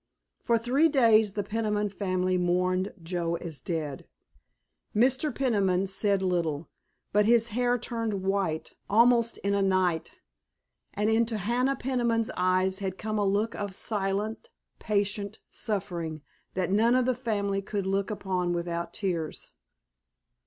For three days the Peniman family mourned Joe as dead. Mr. Peniman said little, but his hair turned white, almost in a night, and into Hannah Peniman's eyes had come a look of silent, patient suffering that none of the family could look upon without tears.